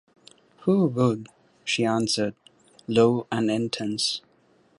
“Who would?” she answered, low and intense.